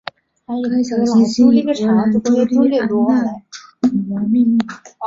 该小行星以荷兰朱丽安娜女王命名。